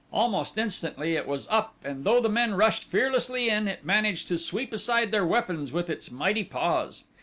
Almost instantly it was up and though the men rushed fearlessly in, it managed to sweep aside their weapons with its mighty paws.